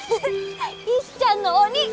石ちゃんの鬼！